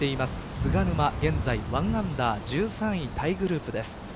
菅沼現在ワンアンダー１０３位タイグループです。